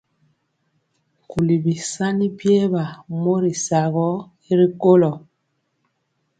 Nkuli bisani biɛɛba mori sagɔ y ri kolo.